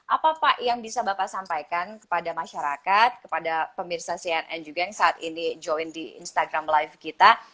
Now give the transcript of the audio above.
apa pak yang bisa bapak sampaikan kepada masyarakat kepada pemirsa cnn juga yang saat ini join di instagram live kita